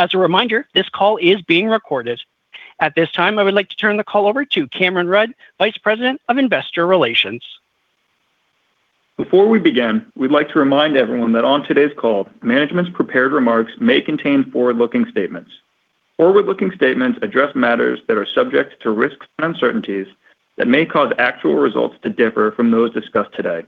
As a reminder, this call is being recorded. At this time, I would like to turn the call over to Cameron Rudd, Vice President of Investor Relations. Before we begin, we'd like to remind everyone that on today's call, management's prepared remarks may contain forward-looking statements. Forward-looking statements address matters that are subject to risks and uncertainties that may cause actual results to differ from those discussed today.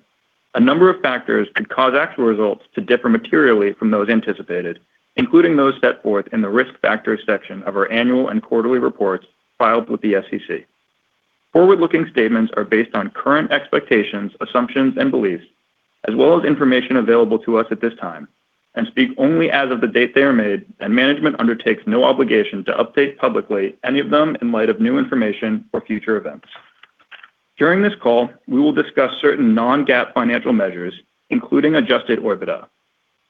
A number of factors could cause actual results to differ materially from those anticipated, including those set forth in the Risk Factors section of our annual and quarterly reports filed with the SEC. Forward-looking statements are based on current expectations, assumptions, and beliefs, as well as information available to us at this time, and speak only as of the date they are made, and management undertakes no obligation to update publicly any of them in light of new information or future events. During this call, we will discuss certain non-GAAP financial measures, including Adjusted EDITDA.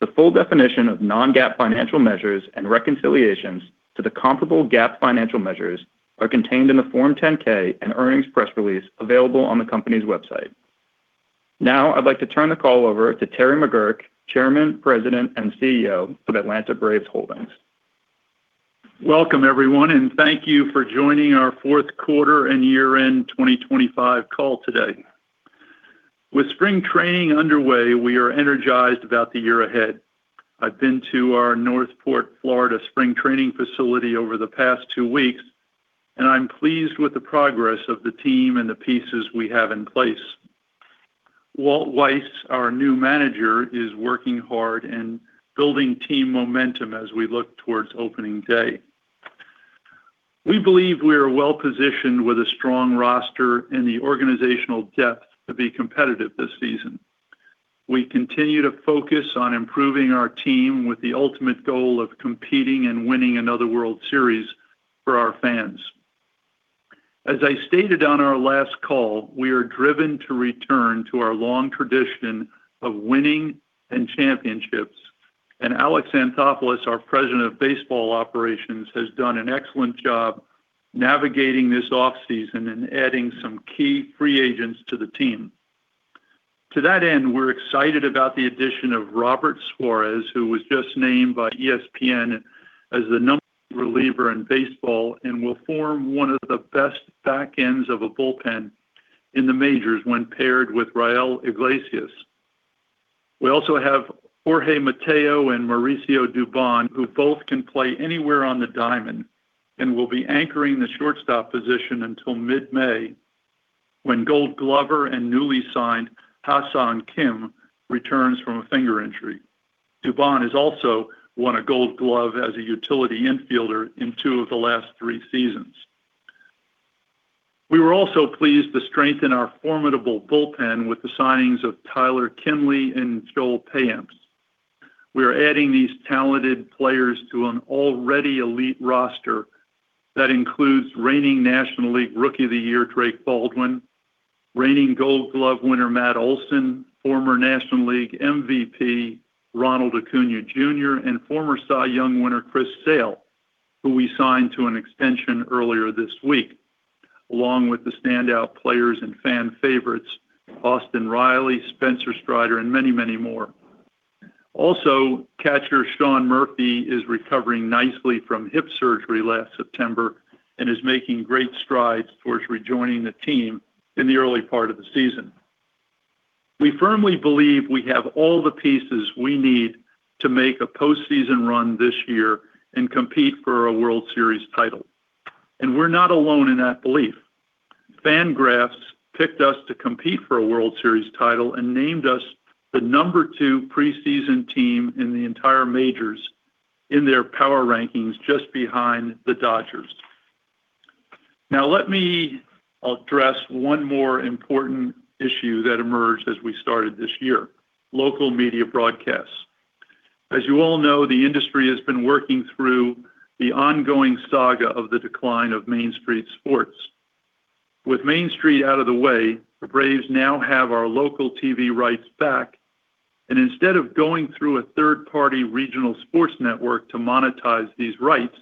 The full definition of non-GAAP financial measures and reconciliations to the comparable GAAP financial measures are contained in the Form 10-K and earnings press release available on the company's website. I'd like to turn the call over to Terry McGuirk, Chairman, President, and CEO of Atlanta Braves Holdings. Welcome, everyone, and thank you for joining our fourth quarter and year-end 2025 call today. With spring training underway, we are energized about the year ahead. I've been to our North Port, Florida, spring training facility over the past 2 weeks, and I'm pleased with the progress of the team and the pieces we have in place. Walt Weiss, our new manager, is working hard and building team momentum as we look towards opening day. We believe we are well-positioned with a strong roster and the organizational depth to be competitive this season. We continue to focus on improving our team with the ultimate goal of competing and winning another World Series for our fans. As I stated on our last call, we are driven to return to our long tradition of winning and championships. Alex Anthopoulos, our President of Baseball Operations, has done an excellent job navigating this off-season and adding some key free agents to the team. To that end, we're excited about the addition of Robert Suarez, who was just named by ESPN as the number reliever in baseball and will form one of the best back ends of a bullpen in the majors when paired with Raisel Iglesias. We also have Jorge Mateo and Mauricio Dubón, who both can play anywhere on the diamond and will be anchoring the shortstop position until mid-May, when Gold Glover and newly signed Ha-Seong Kim returns from a finger injury. Dubón has also won a Gold Glove as a utility infielder in two of the last three seasons. We were also pleased to strengthen our formidable bullpen with the signings of Tyler Kinley and Joel Payamps. We are adding these talented players to an already elite roster that includes reigning National League Rookie of the Year, Drake Baldwin, reigning Gold Glove winner, Matt Olson, former National League MVP, Ronald Acuña Jr., and former Cy Young winner, Chris Sale, who we signed to an extension earlier this week, along with the standout players and fan favorites, Austin Riley, Spencer Strider, and many, many more. Catcher Sean Murphy is recovering nicely from hip surgery last September and is making great strides towards rejoining the team in the early part of the season. We firmly believe we have all the pieces we need to make a postseason run this year and compete for a World Series title, and we're not alone in that belief. FanGraphs picked us to compete for a World Series title and named us the number 2 preseason team in the entire majors in their power rankings, just behind the Dodgers. Let me address one more important issue that emerged as we started this year: local media broadcasts. As you all know, the industry has been working through the ongoing saga of the decline of Main Street Sports. With Main Street out of the way, the Braves now have our local TV rights back, and instead of going through a third-party regional sports network to monetize these rights,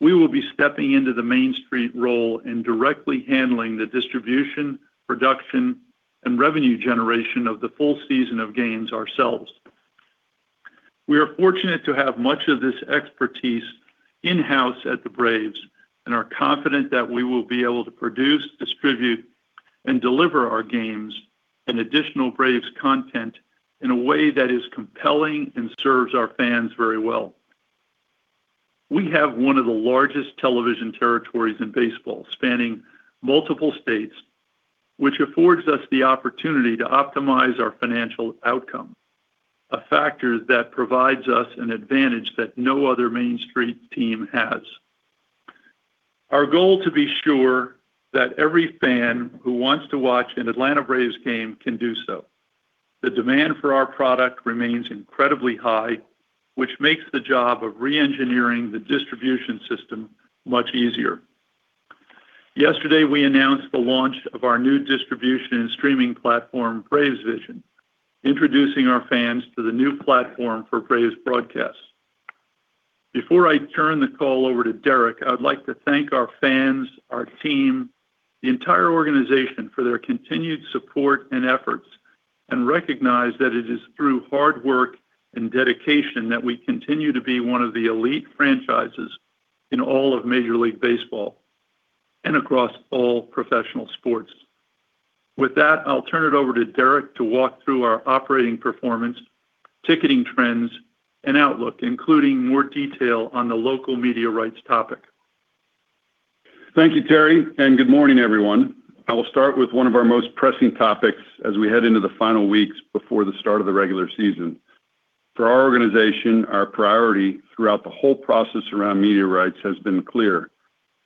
we will be stepping into the Main Street role in directly handling the distribution, production, and revenue generation of the full season of games ourselves. We are fortunate to have much of this expertise in-house at the Braves and are confident that we will be able to produce, distribute, and deliver our games and additional Braves content in a way that is compelling and serves our fans very well. We have one of the largest television territories in baseball, spanning multiple states, which affords us the opportunity to optimize our financial outcome, a factor that provides us an advantage that no other Main Street team has. Our goal to be sure that every fan who wants to watch an Atlanta Braves game can do so. The demand for our product remains incredibly high, which makes the job of reengineering the distribution system much easier. Yesterday, we announced the launch of our new distribution and streaming platform, BravesVision, introducing our fans to the new platform for Braves broadcasts. Before I turn the call over to Derek, I would like to thank our fans, our team, the entire organization for their continued support and efforts and recognize that it is through hard work and dedication that we continue to be one of the elite franchises in all of Major League Baseball and across all professional sports. With that, I'll turn it over to Derek to walk through our operating performance, ticketing trends, and outlook, including more detail on the local media rights topic. Thank you, Terry. Good morning, everyone. I will start with one of our most pressing topics as we head into the final weeks before the start of the regular season. For our organization, our priority throughout the whole process around media rights has been clear: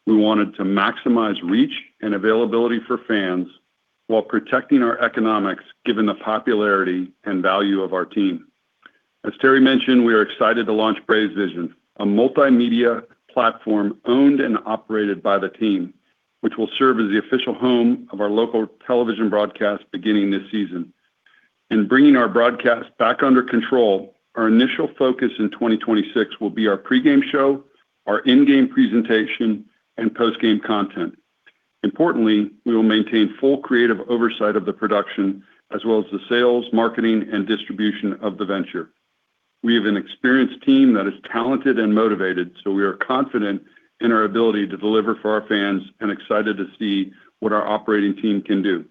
we wanted to maximize reach and availability for fans while protecting our economics, given the popularity and value of our team. As Terry mentioned, we are excited to launch BravesVision, a multimedia platform owned and operated by the team, which will serve as the official home of our local television broadcast beginning this season. In bringing our broadcast back under control, our initial focus in 2026 will be our pregame show, our in-game presentation, and post-game content. Importantly, we will maintain full creative oversight of the production as well as the sales, marketing, and distribution of the venture. We have an experienced team that is talented and motivated, so we are confident in our ability to deliver for our fans and excited to see what our operating team can do.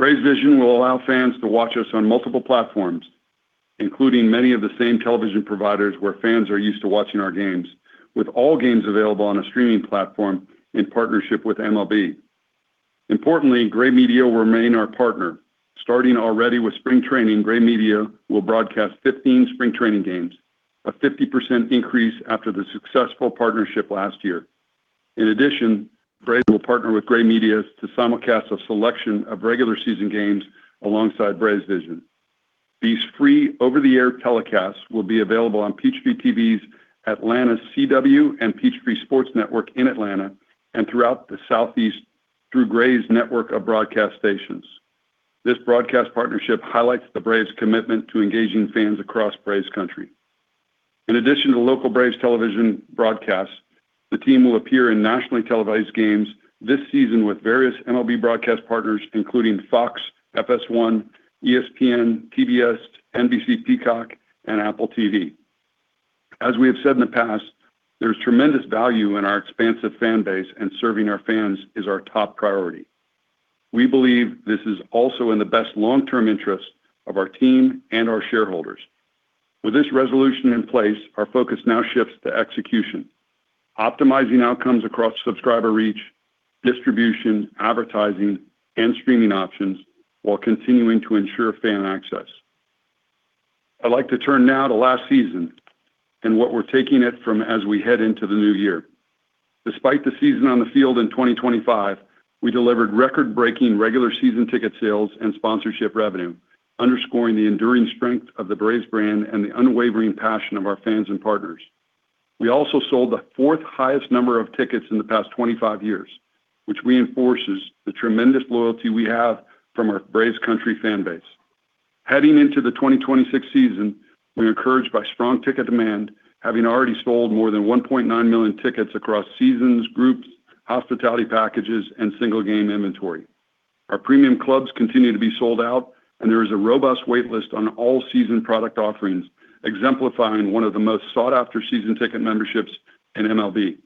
BravesVision will allow fans to watch us on multiple platforms, including many of the same television providers where fans are used to watching our games, with all games available on a streaming platform in partnership with MLB. Importantly, Gray Media will remain our partner. Starting already with spring training, Gray Media will broadcast 15 spring training games, a 50% increase after the successful partnership last year. In addition, Braves will partner with Gray Media to simulcast a selection of regular season games alongside BravesVision. These free over-the-air telecasts will be available on Peachtree TV's Atlanta's CW and Peachtree Sports Network in Atlanta and throughout the Southeast through Gray's network of broadcast stations. This broadcast partnership highlights the Braves' commitment to engaging fans across Braves Country. In addition to local Braves television broadcasts, the team will appear in nationally televised games this season with various MLB broadcast partners, including Fox, FS1, ESPN, TBS, NBC Peacock, and Apple TV. As we have said in the past, there's tremendous value in our expansive fan base, and serving our fans is our top priority. We believe this is also in the best long-term interest of our team and our shareholders. With this resolution in place, our focus now shifts to execution, optimizing outcomes across subscriber reach, distribution, advertising, and streaming options while continuing to ensure fan access. I'd like to turn now to last season and what we're taking it from as we head into the new year. Despite the season on the field in 2025, we delivered record-breaking regular season ticket sales and sponsorship revenue, underscoring the enduring strength of the Braves brand and the unwavering passion of our fans and partners. We also sold the 4th highest number of tickets in the past 25 years, which reinforces the tremendous loyalty we have from our Braves country fan base. Heading into the 2026 season, we are encouraged by strong ticket demand, having already sold more than 1.9 million tickets across seasons, groups, hospitality packages, and single-game inventory. Our premium clubs continue to be sold out, and there is a robust waitlist on all season product offerings, exemplifying one of the most sought-after season ticket memberships in MLB.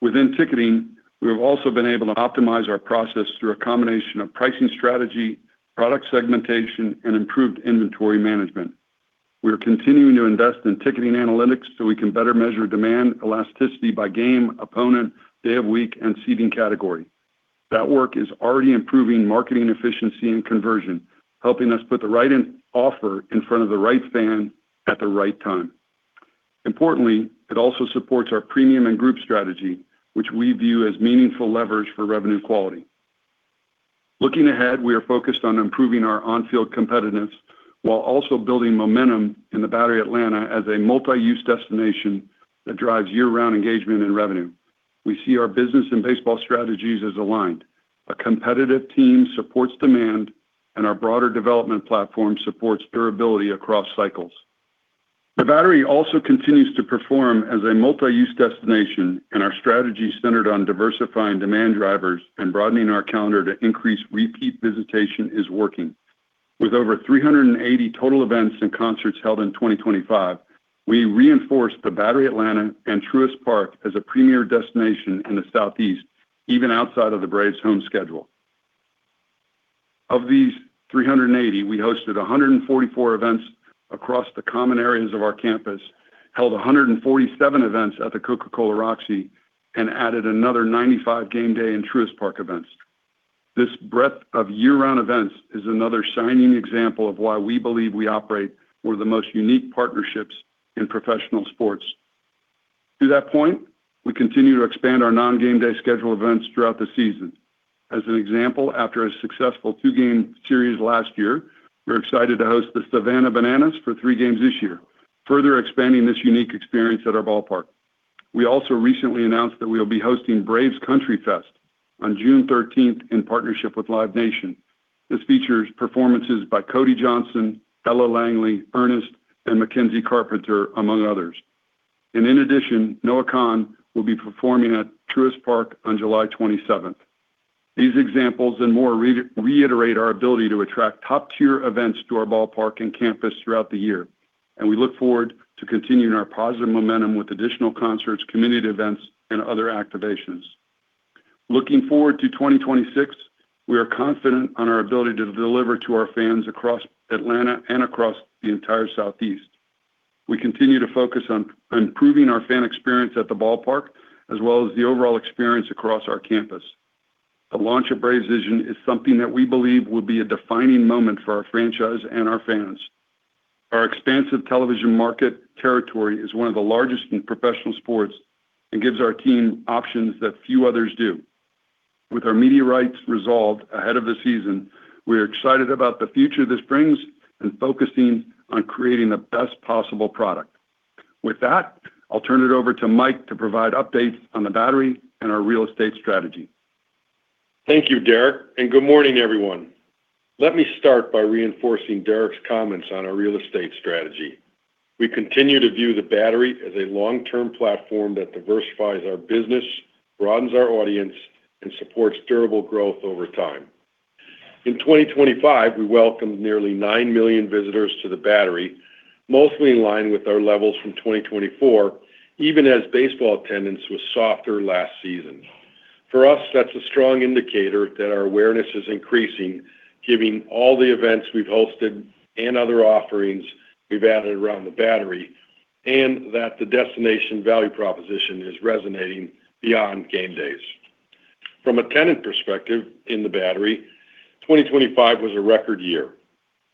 Within ticketing, we have also been able to optimize our process through a combination of pricing strategy, product segmentation, and improved inventory management. We are continuing to invest in ticketing analytics so we can better measure demand elasticity by game, opponent, day of week, and seating category. That work is already improving marketing efficiency and conversion, helping us put the right in offer in front of the right fan at the right time. Importantly, it also supports our premium and group strategy, which we view as meaningful leverage for revenue quality. Looking ahead, we are focused on improving our on-field competitiveness while also building momentum in The Battery Atlanta as a multi-use destination that drives year-round engagement and revenue. We see our business and baseball strategies as aligned. A competitive team supports demand, and our broader development platform supports durability across cycles. The Battery also continues to perform as a multi-use destination, and our strategy centered on diversifying demand drivers and broadening our calendar to increase repeat visitation is working. With over 380 total events and concerts held in 2025, we reinforced The Battery Atlanta and Truist Park as a premier destination in the Southeast, even outside of the Braves' home schedule. Of these 380, we hosted 144 events across the common areas of our campus, held 147 events at the Coca-Cola Roxy, and added another 95 game day in Truist Park events. This breadth of year-round events is another shining example of why we believe we operate one of the most unique partnerships in professional sports. To that point, we continue to expand our non-game day schedule events throughout the season. As an example, after a successful 2-game series last year, we're excited to host the Savannah Bananas for 3 games this year, further expanding this unique experience at our ballpark. We also recently announced that we'll be hosting Braves Country Fest on June 13th in partnership with Live Nation. This features performances by Cody Johnson, Ella Langley, Ernest, and Mackenzie Carpenter, among others. In addition, Noah Kahan will be performing at Truist Park on July 27th. These examples and more reiterate our ability to attract top-tier events to our ballpark and campus throughout the year, and we look forward to continuing our positive momentum with additional concerts, community events, and other activations. Looking forward to 2026, we are confident on our ability to deliver to our fans across Atlanta and across the entire Southeast. We continue to focus on improving our fan experience at the ballpark, as well as the overall experience across our campus. The launch of BravesVision is something that we believe will be a defining moment for our franchise and our fans. Our expansive television market territory is one of the largest in professional sports and gives our team options that few others do. With our media rights resolved ahead of the season, we are excited about the future this brings and focusing on creating the best possible product. With that, I'll turn it over to Mike to provide updates on The Battery and our real estate strategy. Thank you, Derek, and good morning, everyone. Let me start by reinforcing Derek's comments on our real estate strategy. We continue to view the Battery as a long-term platform that diversifies our business, broadens our audience, and supports durable growth over time. In 2025, we welcomed nearly 9 million visitors to the Battery, mostly in line with our levels from 2024, even as baseball attendance was softer last season. For us, that's a strong indicator that our awareness is increasing, giving all the events we've hosted and other offerings we've added around the Battery, and that the destination value proposition is resonating beyond game days. From a tenant perspective in the Battery, 2025 was a record year.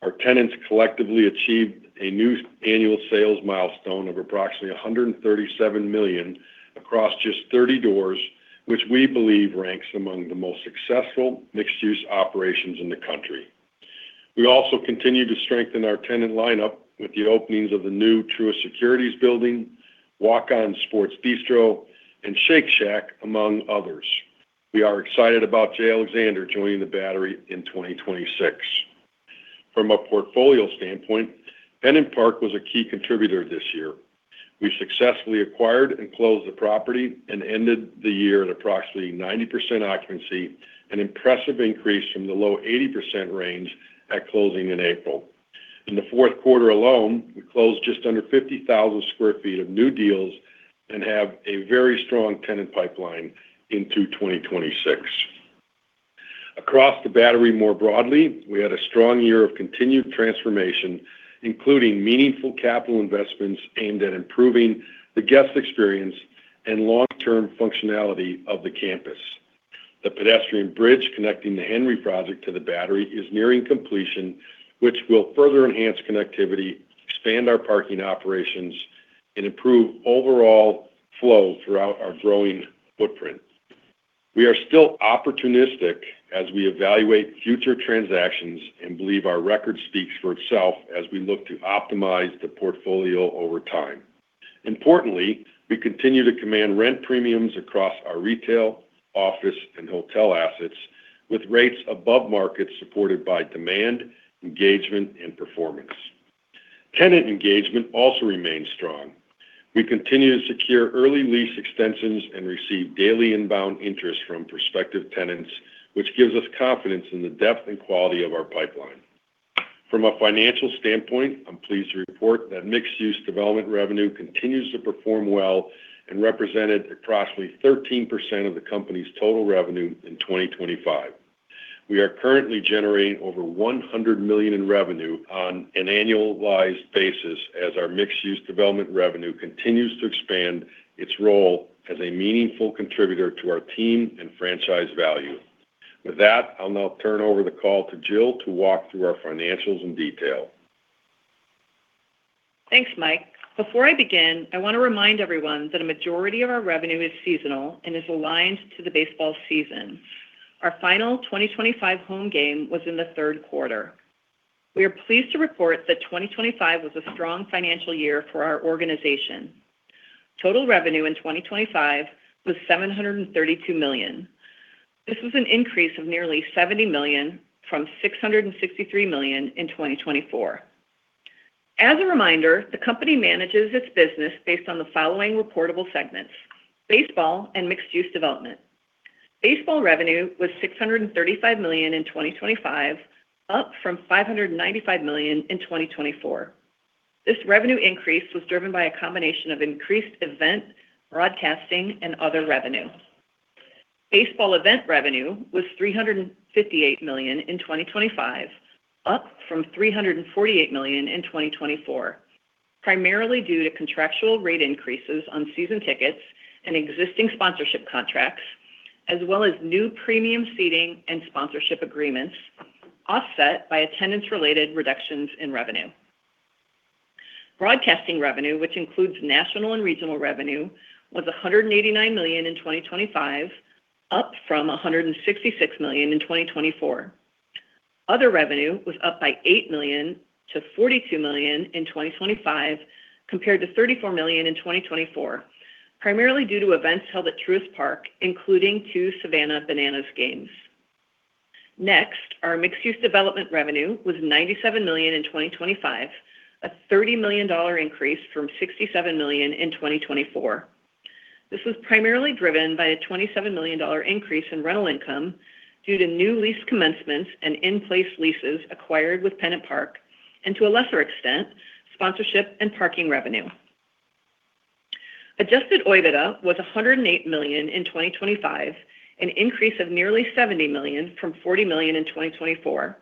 Our tenants collectively achieved a new annual sales milestone of approximately $137 million across just 30 doors, which we believe ranks among the most successful mixed-use operations in the country. We also continued to strengthen our tenant lineup with the openings of the new Truist Securities building, Walk-On's Sports Bistreaux, and Shake Shack, among others. We are excited about J. Alexander joining The Battery in 2026. From a portfolio standpoint, Pennant Park was a key contributor this year. We successfully acquired and closed the property and ended the year at approximately 90% occupancy, an impressive increase from the low 80% range at closing in April. In the fourth quarter alone, we closed just under 50,000 sq ft of new deals and have a very strong tenant pipeline into 2026. Across the Battery more broadly, we had a strong year of continued transformation, including meaningful capital investments aimed at improving the guest experience and long-term functionality of the campus. The pedestrian bridge connecting the Henry Project to the Battery is nearing completion, which will further enhance connectivity, expand our parking operations, and improve overall flow throughout our growing footprint. We are still opportunistic as we evaluate future transactions and believe our record speaks for itself as we look to optimize the portfolio over time. Importantly, we continue to command rent premiums across our retail, office, and hotel assets, with rates above market supported by demand, engagement, and performance. Tenant engagement also remains strong. We continue to secure early lease extensions and receive daily inbound interest from prospective tenants, which gives us confidence in the depth and quality of our pipeline. From a financial standpoint, I'm pleased to report that mixed-use development revenue continues to perform well and represented approximately 13% of the company's total revenue in 2025. We are currently generating over $100 million in revenue on an annualized basis as our mixed-use development revenue continues to expand its role as a meaningful contributor to our team and franchise value. With that, I'll now turn over the call to Jill to walk through our financials in detail. Thanks, Mike. Before I begin, I want to remind everyone that a majority of our revenue is seasonal and is aligned to the baseball season. Our final 2025 home game was in the third quarter. We are pleased to report that 2025 was a strong financial year for our organization. Total revenue in 2025 was $732 million. This was an increase of nearly $70 million from $663 million in 2024. As a reminder, the company manages its business based on the following reportable segments: Baseball and Mixed-Use Development. Baseball revenue was $635 million in 2025, up from $595 million in 2024. This revenue increase was driven by a combination of increased event, broadcasting, and other revenue. Baseball event revenue was $358 million in 2025, up from $348 million in 2024, primarily due to contractual rate increases on season tickets and existing sponsorship contracts, as well as new premium seating and sponsorship agreements, offset by attendance-related reductions in revenue. Broadcasting revenue, which includes national and regional revenue, was $189 million in 2025, up from $166 million in 2024. Other revenue was up by $8 million to $42 million in 2025, compared to $34 million in 2024, primarily due to events held at Truist Park, including two Savannah Bananas games. Our mixed-use development revenue was $97 million in 2025, a $30 million dollar increase from $67 million in 2024. This was primarily driven by a $27 million increase in rental income due to new lease commencements and in-place leases acquired with Pennant Park and, to a lesser extent, sponsorship and parking revenue. Adjusted OIBDA was $108 million in 2025, an increase of nearly $70 million from $40 million in 2024.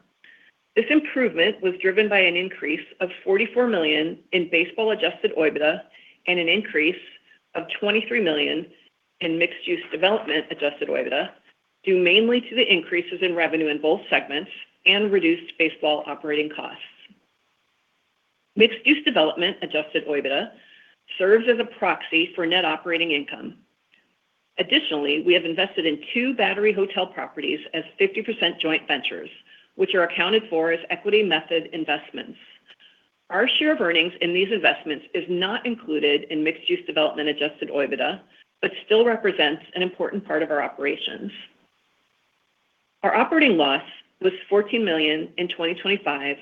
This improvement was driven by an increase of $44 million in baseball Adjusted OIBDA and an increase of $23 million in mixed-use development Adjusted OIBDA, due mainly to the increases in revenue in both segments and reduced baseball operating costs. Mixed-use development Adjusted OIBDA serves as a proxy for net operating income. Additionally, we have invested in two Battery Hotel properties as 50% joint ventures, which are accounted for as equity method investments. Our share of earnings in these investments is not included in mixed-use development Adjusted OIBDA, but still represents an important part of our operations. Our operating loss was $14 million in 2025,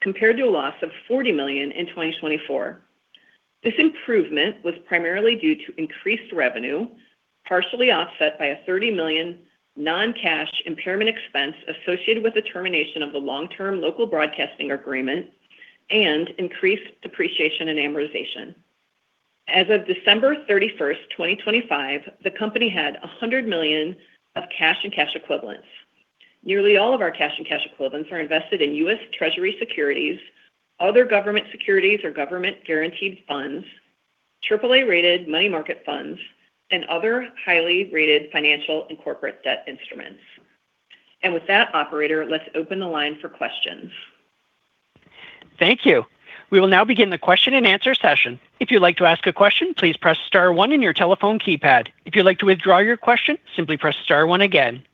compared to a loss of $40 million in 2024. This improvement was primarily due to increased revenue, partially offset by a $30 million non-cash impairment expense associated with the termination of the long-term local broadcasting agreement and increased depreciation and amortization. As of December 31, 2025, the company had $100 million of cash and cash equivalents. Nearly all of our cash and cash equivalents are invested in U.S. Treasury securities, other government securities or government-guaranteed funds, AAA-rated money market funds, and other highly rated financial and corporate debt instruments. With that, operator, let's open the line for questions. Thank you. We will now begin the question-and-answer session. If you'd like to ask a question, please press star one on your telephone keypad. If you'd like to withdraw your question, simply press star one again.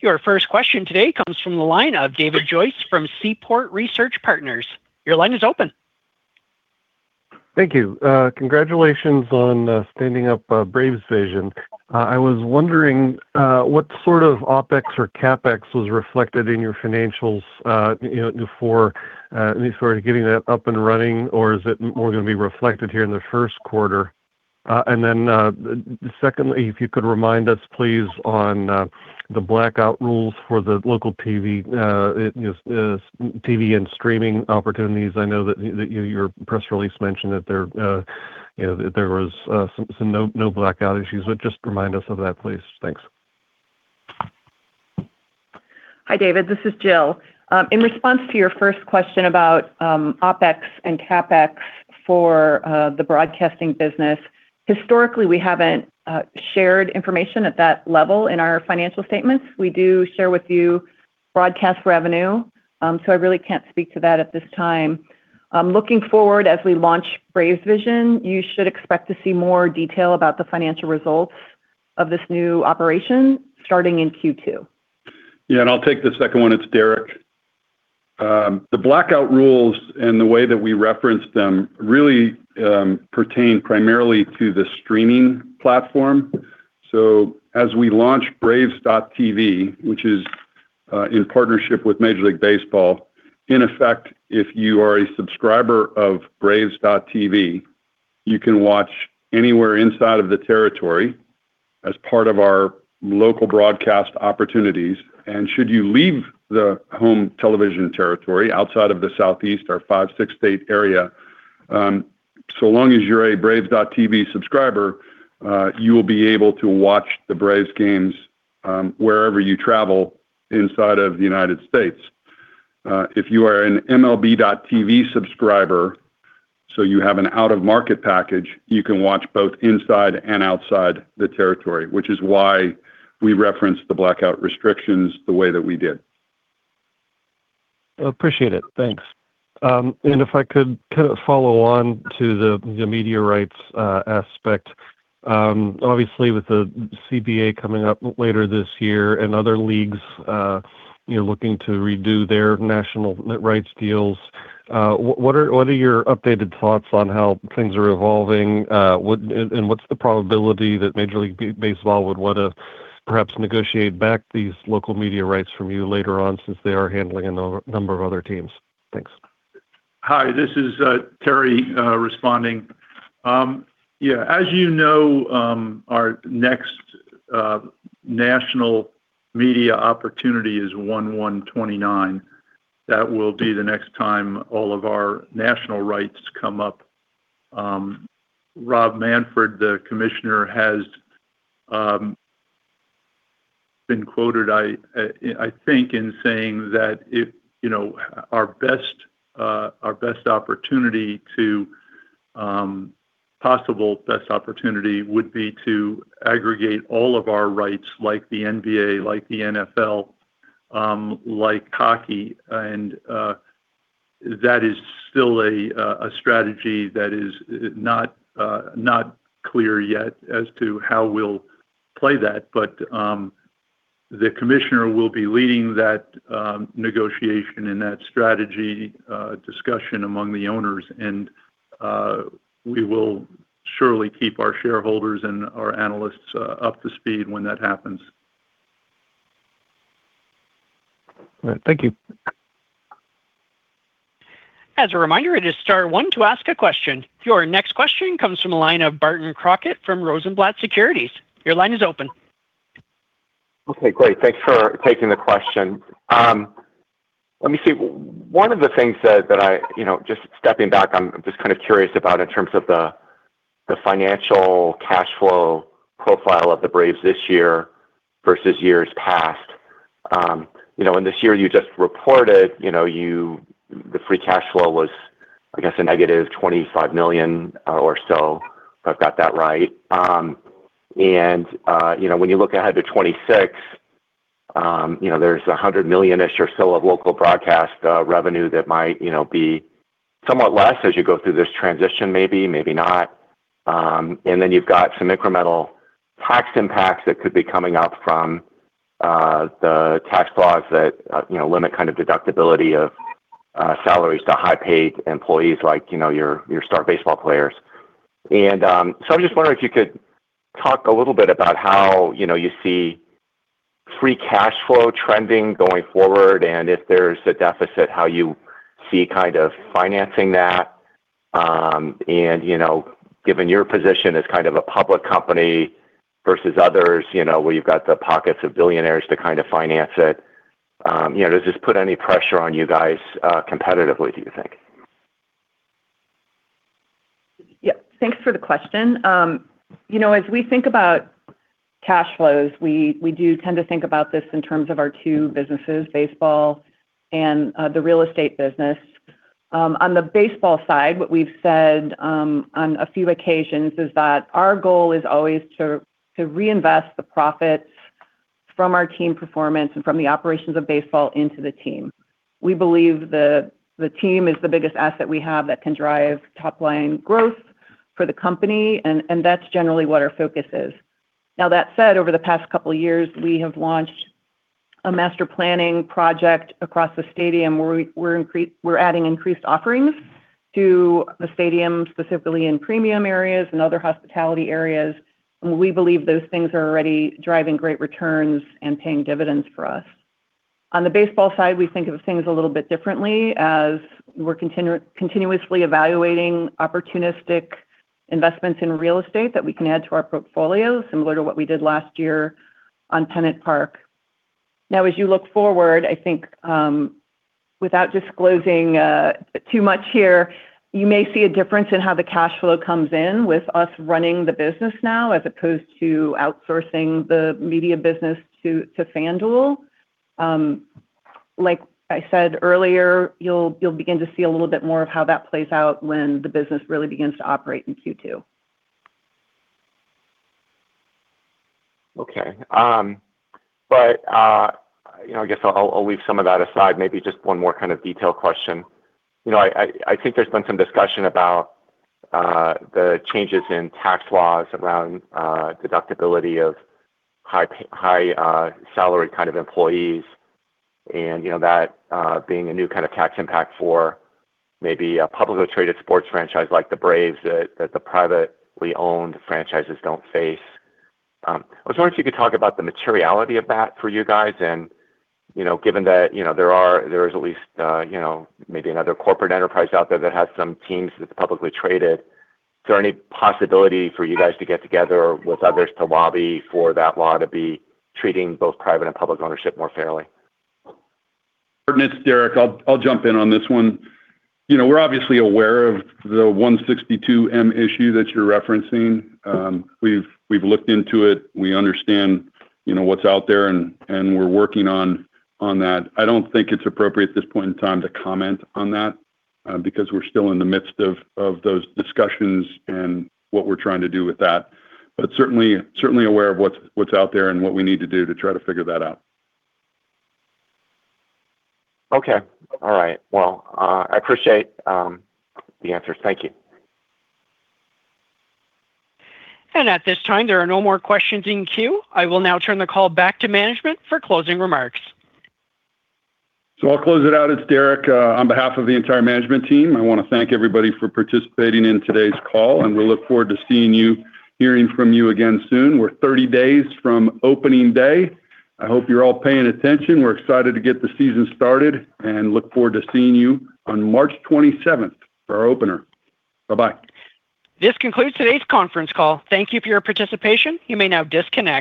Your first question today comes from the line of David Joyce from Seaport Research Partners. Your line is open. Thank you. Congratulations on standing up BravesVision. I was wondering what sort of OpEx or CapEx was reflected in your financials before at least sort of getting that up and running, or is it more going to be reflected here in the first quarter? Secondly, if you could remind us, please, on the blackout rules for the local TV and streaming opportunities. I know that your press release mentioned that there was no blackout issues, just remind us of that, please. Thanks. Hi, David, this is Jill. In response to your first question about OpEx and CapEx for the broadcasting business, historically, we haven't shared information at that level in our financial statements. We do share with you broadcast revenue. I really can't speak to that at this time. Looking forward, as we launch Braves Vision, you should expect to see more detail about the financial results of this new operation starting in Q2. I'll take the second one. It's Derek. The blackout rules and the way that we reference them really pertain primarily to the streaming platform. As we launch Braves.TV, which is in partnership with Major League Baseball, in effect, if you are a subscriber of Braves.TV, you can watch anywhere inside of the territory as part of our local broadcast opportunities. Should you leave the home television territory outside of the Southeast, our five, six-state area, so long as you're a Braves.TV subscriber, you will be able to watch the Braves games wherever you travel inside of the United States. If you are an MLB.TV subscriber, you have an out-of-market package, you can watch both inside and outside the territory, which is why we referenced the blackout restrictions the way that we did. Appreciate it. Thanks. If I could kind of follow on to the media rights aspect, obviously, with the CBA coming up later this year and other leagues, you know, looking to redo their national rights deals, what are, what are your updated thoughts on how things are evolving? What's the probability that Major League Baseball would want to perhaps negotiate back these local media rights from you later on, since they are handling a number of other teams? Thanks. Hi, this is Terry responding. Yeah, as you know, our next national media opportunity is 01/01/2029. That will be the next time all of our national rights come up. Rob Manfred, the commissioner, has been quoted, I think, in saying that if, you know, our best, our best opportunity to possible best opportunity would be to aggregate all of our rights, like the NBA, like the NFL, like hockey, and that is still a strategy that is not clear yet as to how we'll play that. The commissioner will be leading that negotiation and that strategy discussion among the owners.... surely keep our shareholders and our analysts up to speed when that happens. All right, thank you. As a reminder, it is star one to ask a question. Your next question comes from the line of Barton Crockett from Rosenblatt Securities. Your line is open. Okay, great. Thanks for taking the question. Let me see. One of the things that I, you know, just stepping back, I'm just kind of curious about in terms of the financial cash flow profile of the Braves this year versus years past. You know, in this year you just reported, you know, the free cash flow was, I guess, a -$25 million or so, if I've got that right. You know, when you look ahead to 2026, you know, there's a $100 million-ish or so of local broadcast revenue that might, you know, be somewhat less as you go through this transition maybe not. Then you've got some incremental tax impacts that could be coming up from the tax laws that, you know, limit kind of deductibility of salaries to high paid employees, like, you know, your star baseball players. I'm just wondering if you could talk a little bit about how, you know, you see free cash flow trending going forward, and if there's a deficit, how you see kind of financing that? You know, given your position as kind of a public company versus others, you know, where you've got the pockets of billionaires to kind of finance it, you know, does this put any pressure on you guys competitively, do you think? Yep, thanks for the question. You know, as we think about cash flows, we do tend to think about this in terms of our two businesses, baseball and the real estate business. On the baseball side, what we've said on a few occasions is that our goal is always to reinvest the profits from our team performance and from the operations of baseball into the team. We believe the team is the biggest asset we have that can drive top-line growth for the company, and that's generally what our focus is. That said, over the past couple of years, we have launched a master planning project across the stadium where we're adding increased offerings to the stadium, specifically in premium areas and other hospitality areas, and we believe those things are already driving great returns and paying dividends for us. On the baseball side, we think of things a little bit differently as we're continuously evaluating opportunistic investments in real estate that we can add to our portfolio, similar to what we did last year on Pennant Park. As you look forward, I think, without disclosing too much here, you may see a difference in how the cash flow comes in with us running the business now, as opposed to outsourcing the media business to FanDuel. Like I said earlier, you'll begin to see a little bit more of how that plays out when the business really begins to operate in Q2. Okay. you know, I guess I'll leave some of that aside. Maybe just one more kind of detailed question. You know, I think there's been some discussion about the changes in tax laws around deductibility of high salary kind of employees, you know, that being a new kind of tax impact for maybe a publicly traded sports franchise like the Braves, that the privately owned franchises don't face. I was wondering if you could talk about the materiality of that for you guys, and, given that, there is at least, maybe another corporate enterprise out there that has some teams that's publicly traded, is there any possibility for you guys to get together or with others to lobby for that law to be treating both private and public ownership more fairly? It's Derek. I'll jump in on this one. You know, we're obviously aware of the 162(m) issue that you're referencing. We've looked into it. We understand, you know, what's out there, and we're working on that. I don't think it's appropriate at this point in time to comment on that, because we're still in the midst of those discussions and what we're trying to do with that. Certainly aware of what's out there and what we need to do to try to figure that out. Okay. All right. Well, I appreciate, the answers. Thank you. At this time, there are no more questions in queue. I will now turn the call back to management for closing remarks. I'll close it out. It's Derek. On behalf of the entire management team, I want to thank everybody for participating in today's call, and we look forward to seeing you, hearing from you again soon. We're 30 days from opening day. I hope you're all paying attention. We're excited to get the season started and look forward to seeing you on March 27th for our opener. Bye-bye. This concludes today's conference call. Thank you for your participation. You may now disconnect.